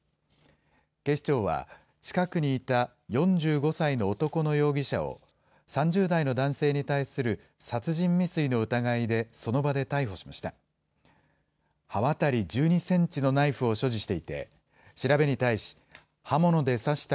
警視庁は、近くにいた４５歳の男の容疑者を、３０代の男性に対する殺人未遂の疑いで、その場で逮捕しました。